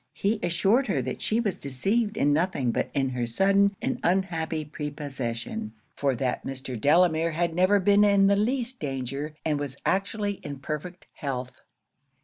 'He assured her that she was deceived in nothing but in her sudden and unhappy prepossession; for that Mr. Delamere had never been in the least danger, and was actually in perfect health.